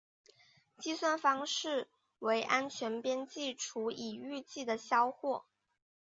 计算方式为安全边际除以预计的销货。